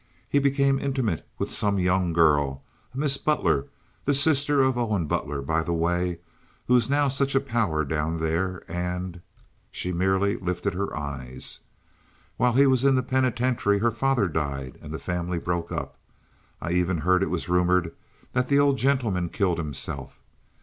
He became intimate with some young girl—a Miss Butler, the sister of Owen Butler, by the way, who is now such a power down there, and—" She merely lifted her eyes. "While he was in the penitentiary her father died and the family broke up. I even heard it rumored that the old gentleman killed himself."